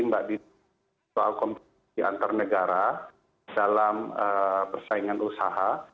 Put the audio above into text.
mbak dini soal kompetisi antarnegara dalam persaingan usaha